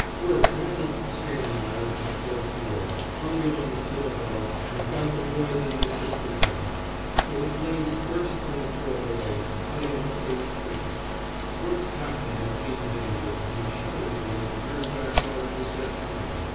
Quirk ran up on the scaling ladder to the fourth floor, hung it on the sill above, and got the boys and their sister down. But the flames burst from the floor below, cutting off their retreat. Quirk's captain had seen the danger, and shouted to him to turn back while it was yet time.